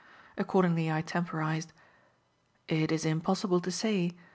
Accordingly I temporized. "It is impossible to say.